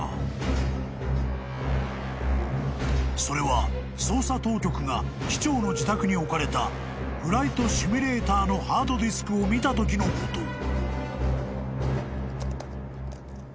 ［それは捜査当局が機長の自宅に置かれたフライトシミュレーターのハードディスクを見たときのこと］